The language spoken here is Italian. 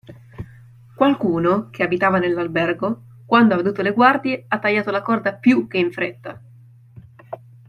Qualcuno, che abitava nell'albergo, quando ha veduto le guardie, ha tagliato la corda più che in fretta.